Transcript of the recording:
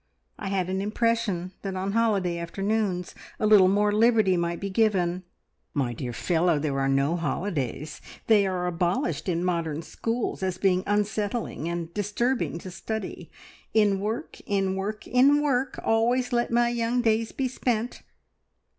"I had an impression that on holiday afternoons a little more liberty might be given?" "My dear fellow, there are no holidays! They are abolished in modern schools as being unsettling, and disturbing to study. `In work, in work, in work always let my young days be spent!'